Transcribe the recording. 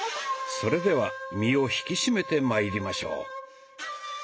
それでは身を引き締めてまいりましょう。